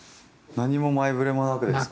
何も前触れもなくですか？